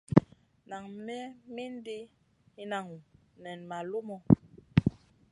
Nan me mindi hinanŋu nen ma lumu.